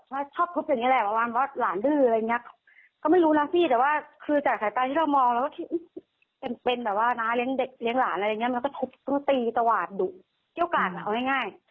ไม่ให้เกียรติใครเป็นผู้หญิงที่แบบแรง